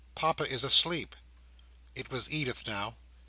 Papa is asleep." It was Edith now.